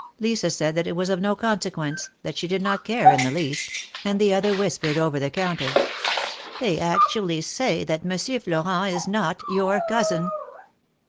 Lisa said that it was of no consequence, that she did not care in the least ; and the other whispered over the counter ; They actually say that Monsieur Florent is not your cousin."